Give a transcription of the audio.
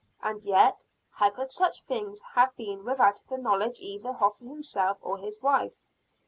And yet, how could such things have been without the knowledge either of himself or his wife?